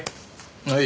はい。